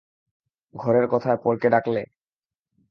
ঘরের কথায় পরকে ডাকলে?